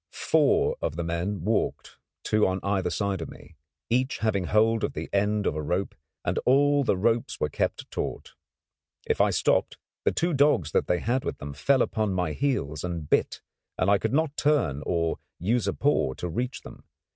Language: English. Four of the men walked, two on either side of me, each having hold of the end of a rope, and all the ropes were kept taut. If I stopped, the two dogs that they had with them fell upon my heels and bit, and I could not turn or use a paw to reach them.